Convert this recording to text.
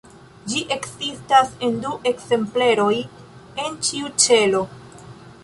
Ĝi ekzistas en du ekzempleroj en ĉiu ĉelo.